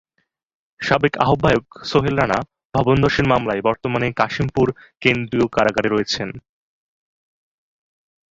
সাবেক আহ্বায়ক সোহেল রানা ভবনধসের মামলায় বর্তমানে কাশিমপুর কেন্দ্রীয় কারাগারে রয়েছেন।